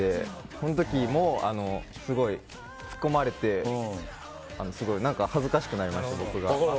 この時もすごいツッコまれて恥ずかしくなりました、僕が。